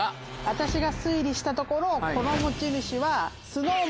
私が推理したところこの持ち主は。